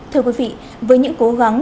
thưa quý vị với những cố gắng